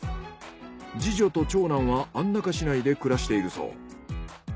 次女と長男は安中市内で暮らしているそう。